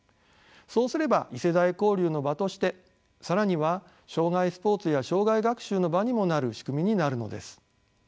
そうすれば異世代交流の場として更には生涯スポーツや生涯学習の場にもなる仕組みになるのです。